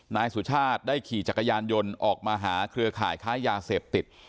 นายสุชาติได้ขี่จักรยานยนต์ออกมาแต่งถือขายพืชเท็จ